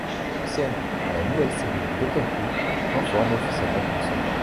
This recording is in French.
L'ancienne et la nouvelle série de Doctor Who n'en forment officiellement qu'une seule.